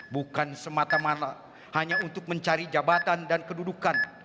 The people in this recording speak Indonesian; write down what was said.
bukan semata mata hanya untuk mencari jabatan dan kedudukan